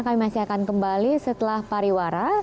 kami masih akan kembali setelah pariwara